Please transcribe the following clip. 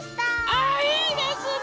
あいいですね！